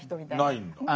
ないんだ。